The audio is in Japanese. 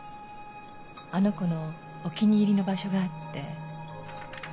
あの子のお気に入りの場所があって。